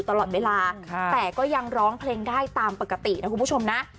แต่ก็ยังร้องเพลงได้ตามปกตินะคุณผู้ชมนะ